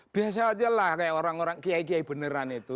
biasa aja lah kayak orang orang kiai kiai beneran itu